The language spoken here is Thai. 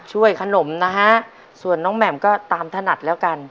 ช่วยขนมนะฮะส่วนน้องแหม่มก็ตามถนัดแล้วกัน